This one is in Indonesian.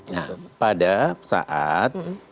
nah pada saat